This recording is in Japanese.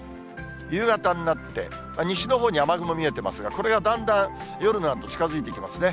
夕方になって、西のほうに雨雲見えてますが、これがだんだん夜になると近づいてきますね。